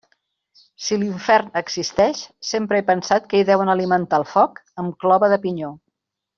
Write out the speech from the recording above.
Si l'infern existeix, sempre he pensat que hi deuen alimentar el foc amb clova de pinyó.